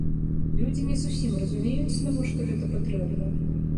Людзі не зусім разумеюць, навошта гэта патрэбна.